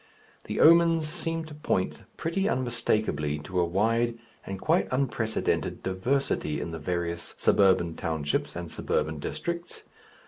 The omens seem to point pretty unmistakably to a wide and quite unprecedented diversity in the various suburban townships and suburban districts.